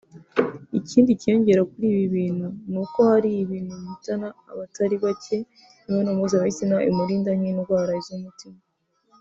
Ikindi cyiyongera kuri ibi ni uko hari ibintu bihitana abatari bake imibonano mpuzabitsina imurinda nk’indwara z’umutima